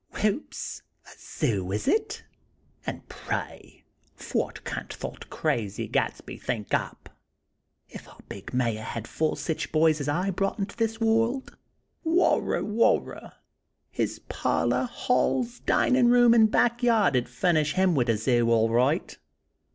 "Whoops! A zoo, is it? And pray, phwat can't thot crazy Gadsby think up? If our big Mayor had four sich bys as I brought into this woild; worra, worra! his parlor, halls, dinin' room an' back yard 'd furnish him wid a zoo, all right!